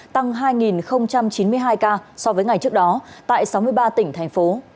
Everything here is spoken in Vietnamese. tăng hai chín mươi hai ca so với ngày trước đó tại sáu mươi ba tỉnh thành phố